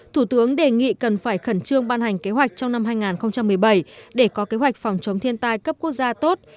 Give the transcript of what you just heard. thủ tướng đề nghị cần phải khẩn trương ban hành kế hoạch trong năm hai nghìn một mươi bảy để có kế hoạch phòng chống thiên tai cấp quốc gia tốt